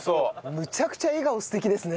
むちゃくちゃ笑顔素敵ですね！